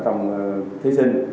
trong thí sinh